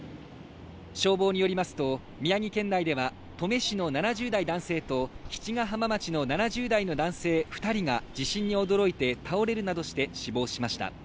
消防によりますと宮城県内では登米市の７０代男性と七ヶ浜町の７０代の男性２人が地震に驚いて倒れるなどして死亡しました。